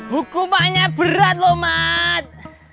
hukumannya berat loh mat